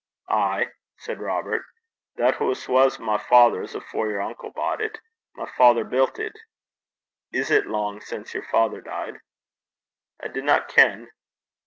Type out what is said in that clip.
'Ay,' said Robert. 'That hoose was my father's afore your uncle bought it. My father biggit it.' 'Is it long since your father died?' 'I dinna ken.'